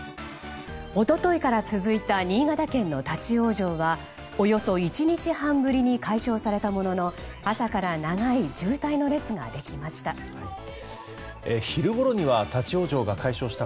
一昨日から続いた新潟県の立ち往生はおよそ１日半ぶりに解消されたものの朝から長い渋滞の列ができました。